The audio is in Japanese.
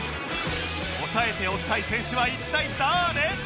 押さえておきたい選手は一体誰？